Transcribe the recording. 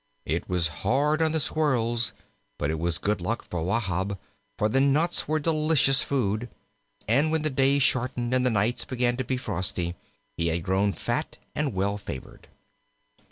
It was hard on the Squirrels, but it was good luck for Wahb, for the nuts were delicious food. And when the days shortened and the nights began to be frosty, he had grown fat and well favored.